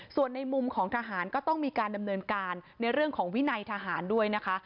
ส่วนในมุมของทหารก็ต้องมีการดำเนินการในเรื่องของวินัยทหารด้วยนะคะ